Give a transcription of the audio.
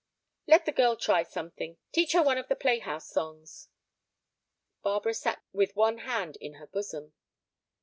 "Let the girl try something. Teach her one of the playhouse songs." Barbara sat with one hand in her bosom.